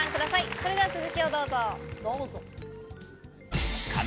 それでは続きをどうぞ。